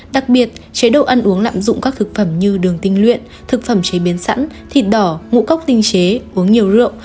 đặc biệt chế độ ăn uống lạm dụng các thực phẩm như đường tinh luyện thực phẩm chế biến sẵn thịt đỏ ngũ cốc tinh chế uống nhiều rượu